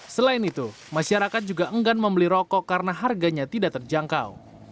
selain itu masyarakat juga enggan membeli rokok karena harganya tidak terjangkau